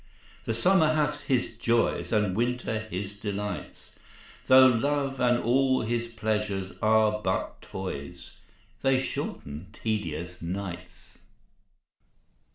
The summer hath his joys And winter his delights; Though love and all his pleasures are but toys, They shorten tedious nights.